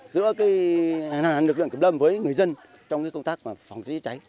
giữa lực lượng cấp lâm với người dân trong công tác phòng chống cháy